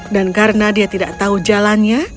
dan karena dia tidak tahu jalannya